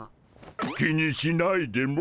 気にしないでモ。